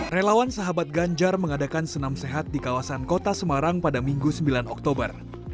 relawan sahabat ganjar mengadakan senam sehat di kawasan kota semarang pada minggu sembilan oktober